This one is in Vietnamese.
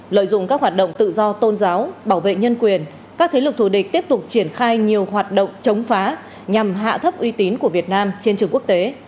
lợi dụng các hoạt động tự do tôn giáo bảo vệ nhân quyền các thế lực thù địch tiếp tục triển khai nhiều hoạt động chống phá nhằm hạ thấp uy tín của việt nam trên trường quốc tế